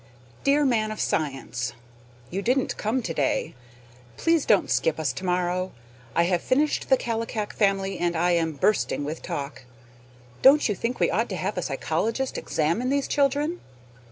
Dear Man of Science: You didn't come today. Please don't skip us tomorrow. I have finished the Kallikak family and I am bursting with talk. Don't you think we ought to have a psychologist examine these children?